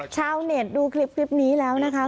ชาวเน็ตดูคลิปนี้แล้วนะคะ